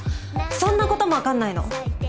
そんなことも分かんないの？